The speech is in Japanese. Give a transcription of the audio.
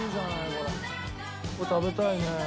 これ食べたいね。